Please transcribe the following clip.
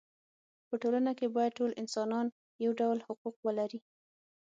په ټولنه کې باید ټول انسانان یو ډول حقوق ولري.